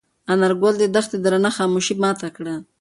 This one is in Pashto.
انارګل د دښتې درنه خاموشي ماته کړه.